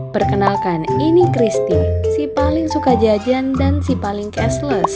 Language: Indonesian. perkenalkan ini christie si paling suka jajan dan si paling cashless